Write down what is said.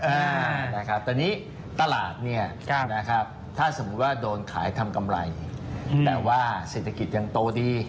อ่านะครับตอนนี้ตลาดเนี่ยนะครับถ้าสมมุติว่าโดนขายทำกำไรแต่ว่าเศรษฐกิจยังโตดี